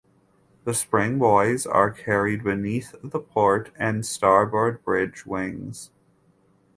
The spring buoys are carried beneath the port and starboard bridge wings.